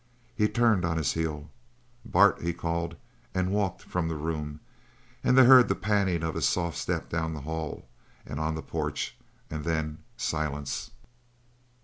He turned on his heel. "Bart!" he called, and walked from the room, and they heard the padding of his soft step down the hall and on the porch and then silence.